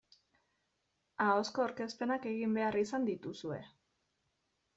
Ahozko aurkezpenak egin behar izan dituzue.